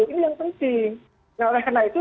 ini yang penting nah oleh karena itu